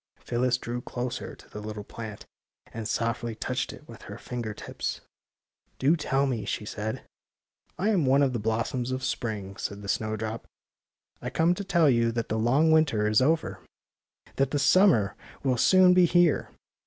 Phyllis drew closer to the little plant and softly touched it with her finger tips. '* Do tell me," she said. *^ I am one of the blossoms of spring," said the snowdrop. ^^ I come to tell you that the long winter is over; that the summer will soon be here.